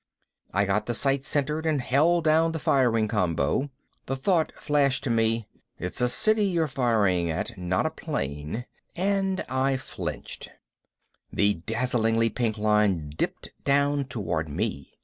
I got the sight centered and held down the firing combo. The thought flashed to me: it's a city you're firing at, not a plane, and I flinched. The dazzlingly pink line dipped down toward me.